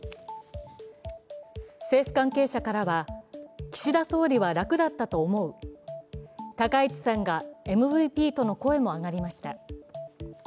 政府関係者からは、岸田総理は楽だったと思う、高市さんがＭＶＰとの声も上がりました。